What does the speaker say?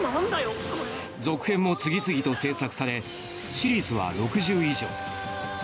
続編も次々と制作されシリーズは６０以上。